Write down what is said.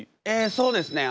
そうですね。